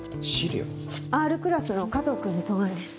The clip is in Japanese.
Ｒクラスの加藤君の答案です。